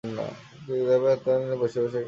Driver তো দিন-রাত বসে-বসেই মায়না খায়।